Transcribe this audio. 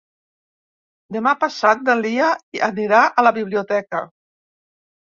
Demà passat na Lia anirà a la biblioteca.